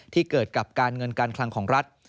ที่เกิดกับการเงินการคลังของรัฐ